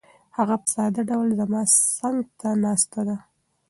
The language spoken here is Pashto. هغه په ساده ډول زما څنګ ته ناسته ده.